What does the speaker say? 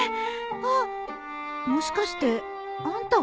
あっもしかしてあんたが？